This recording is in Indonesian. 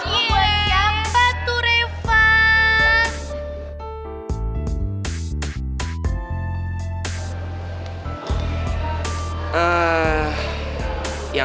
siapa tuh revan